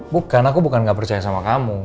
bukan aku bukan gak percaya sama kamu